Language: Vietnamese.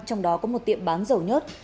trong đó có một tiệm bán dầu nhất